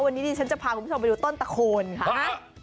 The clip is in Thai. วันนี้ดิฉันจะพาคุณผู้ชมไปดูต้นตะโคนค่ะ